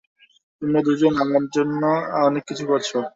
তোমরা দুজন আমার জন্য অনেক কিছু করেছো।